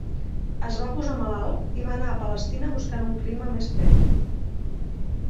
Es va posar malalt i va anar a Palestina buscant un clima més fred.